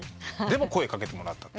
でも声掛けてもらった。